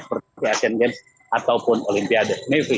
seperti sea games ataupun olimpiade